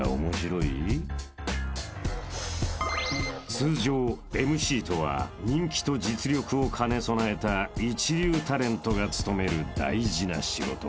［通常ＭＣとは人気と実力を兼ね備えた一流タレントが務める大事な仕事］